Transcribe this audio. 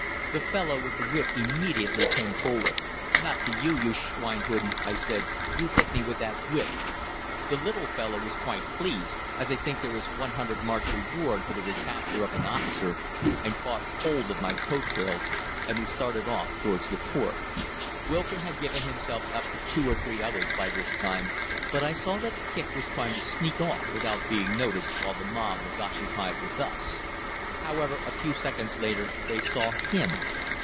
The fellow with the whip immediately came forward. "Not to you, you Schweinhund," I said; "you hit me with that whip." The little fellow was quite pleased, as I think there is 100 marks reward for the recapture of an officer, and caught hold of my coat tails, and we started off towards the fort. Wilkin had given himself up to two or three others by this time, but I saw that Kicq was trying to sneak off without being noticed while the mob was occupied with us. However, a few seconds later they saw him.